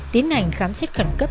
tiến hành khám xét khẩn cấp